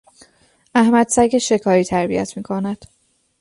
احمد سگ شکاری تربیت میکند.